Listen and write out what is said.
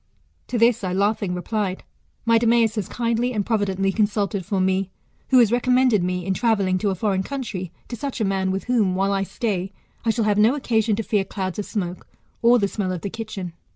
To this I laughing replied, My Demeas has kindly and providently consulted for me, who has recommended me, in travelling to a foreign country, to such a man, with whom, while I stay, I shall have no occasion to fear clouds of smoke, or the smell of the kitchen.